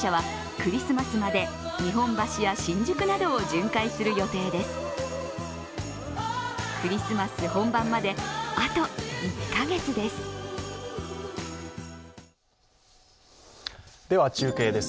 クリスマス本番まであと１カ月です。